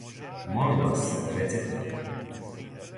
Молим вас, реците нам.